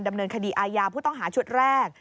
ดำเนินคดีอาญาผู้ต้องหาชุดแรก